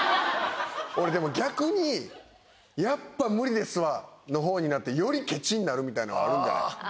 俺でも逆に「やっぱ無理ですわ」のほうになってよりケチになるみたいのあるんじゃない？